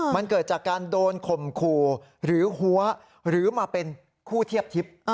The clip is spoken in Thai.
มันเกิดจากการโดนข่มขู่หรือหัวหรือมาเป็นคู่เทียบทิพย์